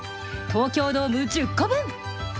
東京ドーム１０個分。